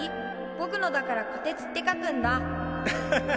ぼくのだからこてつって書くんだ。